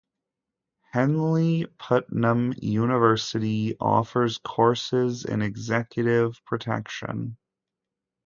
Henley-Putnam University offers courses in executive protection.